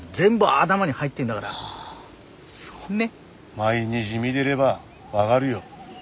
毎日見でれば分がるよ。